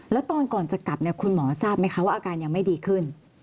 แล้วตอนก่อนจะกลับเนี่ยคุณหมอทราบไหมคะว่าอาการยังไม่ดีขึ้น